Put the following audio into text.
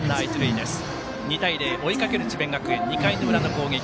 ２対０、追いかける智弁学園２回の裏の攻撃。